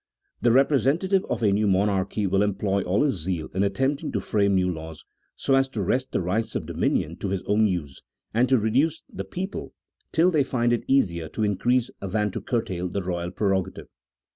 The representative of a new monarchy will employ all his zeal in attempting to frame new laws, so as to wrest the rights of dominion to his own use, and to reduce the people till they find it easier to increase than to curtail the royal prerogative.